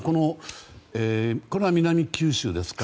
これは南九州市ですか。